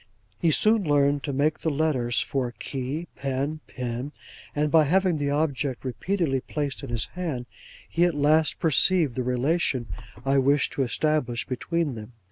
He soon learned to make the letters for key, pen, pin; and by having the object repeatedly placed in his hand, he at last perceived the relation I wished to establish between them.